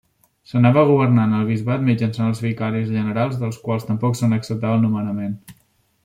S’anava governant el bisbat mitjançant els vicaris generals dels quals tampoc se n'acceptava el nomenament.